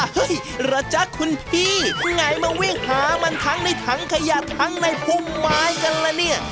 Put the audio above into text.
เหรอจ๊ะคุณพี่ไหนมาวิ่งหามันทั้งในถังขยะทั้งในพุ่มไม้กันละเนี่ย